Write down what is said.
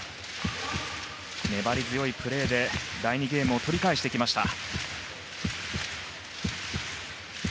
粘り強いプレーで第２ゲームを取り返しました。